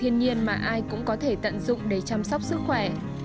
hạt sen là một món ăn tự thiên nhiên mà ai cũng có thể tận dụng để chăm sóc sức khỏe